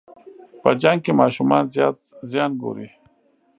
په جنګ کې ماشومان زیات زیان ګوري.